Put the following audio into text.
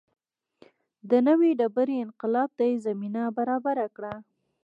د نوې ډبرې انقلاب ته یې زمینه برابره کړه.